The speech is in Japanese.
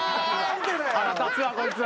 腹立つわこいつ。